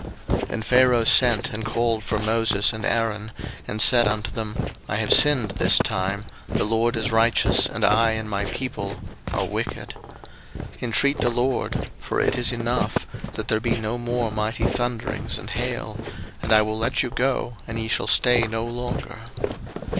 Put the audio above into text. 02:009:027 And Pharaoh sent, and called for Moses and Aaron, and said unto them, I have sinned this time: the LORD is righteous, and I and my people are wicked. 02:009:028 Intreat the LORD (for it is enough) that there be no more mighty thunderings and hail; and I will let you go, and ye shall stay no longer.